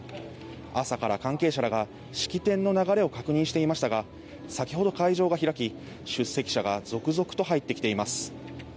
朝から関係者らが式典の流れを確認していましたが先ほど会場が開き出席者が続々と入ってきています。